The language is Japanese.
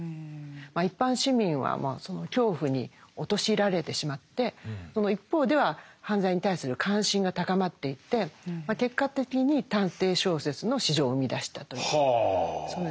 一般市民はその恐怖に陥れられてしまってその一方では犯罪に対する関心が高まっていって結果的に探偵小説の市場を生み出したというそういう流れですね。